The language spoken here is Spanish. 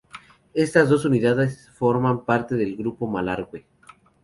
Estas dos unidades forman parte del Grupo Malargüe.